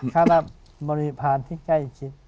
สำหรับบริพาณที่ใกล้ชิด